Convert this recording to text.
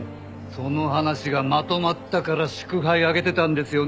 その話がまとまったから祝杯あげてたんですよね？